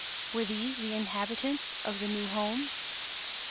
Were these the inhabitants of the new home?